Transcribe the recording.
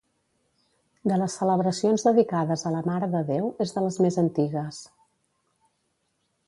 De les celebracions dedicades a la Mare de Déu, és de les més antigues.